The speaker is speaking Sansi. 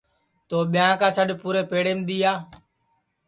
تو بیاں کا سڈؔ پُورے پیڑیم دؔیا